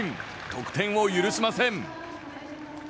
得点を許しません。